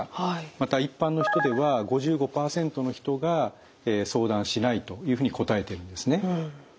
また一般の人では５５％の人が「相談しない」というふうに答えてるんですね。